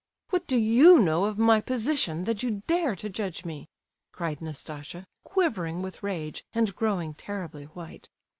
"What do you know of my position, that you dare to judge me?" cried Nastasia, quivering with rage, and growing terribly white.